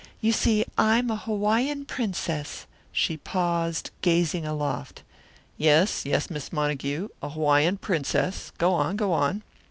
You see I'm a Hawaiian princess " She paused, gazing aloft. "Yes, yes, Miss Montague an Hawaiian princess. Go on, go on!"